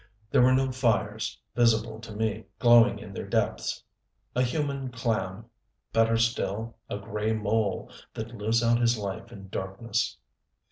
There were no fires, visible to me, glowing in their depths. A human clam better still, a gray mole that lives out his life in darkness.